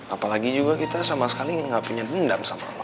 apalagi juga kita sama sekali nggak punya dendam sama apa